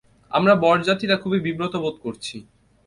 আমরা বরযাত্রীরা খুবই বিব্রত বোধ করছি।